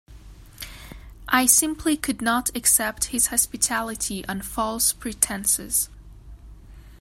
I simply could not accept his hospitality on false pretences.